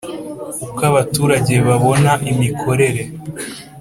Uko abaturage babona imikorere